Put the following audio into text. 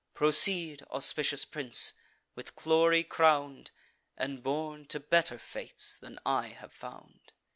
Proceed, auspicious prince, with glory crown'd, And born to better fates than I have found."